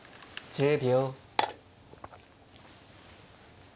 １０秒。